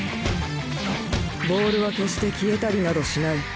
ボールは決して消えたりなどしない。